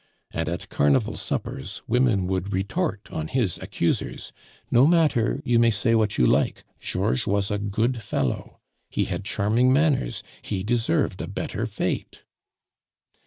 And at carnival suppers women would retort on his accusers: "No matter. You may say what you like, Georges was a good fellow; he had charming manners, he deserved a better fate."